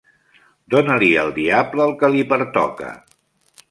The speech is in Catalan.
Dona-li al diable el que li pertoca.